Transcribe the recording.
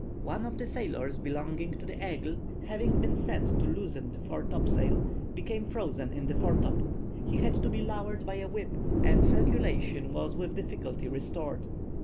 One of the sailors belonging to the Aigle, having been sent to loosen the fore topsail, became frozen in the fore top. He had to be lowered by a whip, and circulation was with difficulty restored.